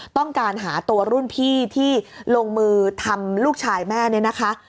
ต้องการหาตัวรุ่นพี่ที่ลงมือทำลูกชายแม่เนี่ยนะคะ